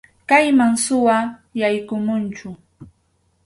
Kayman suwa yaykumunchu.